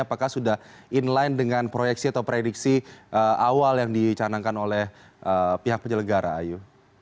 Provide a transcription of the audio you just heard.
apakah sudah inline dengan proyeksi atau prediksi awal yang dicanangkan oleh pihak penyelenggara ayu